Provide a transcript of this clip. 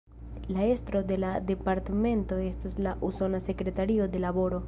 La estro de la Departmento estas la Usona Sekretario de Laboro.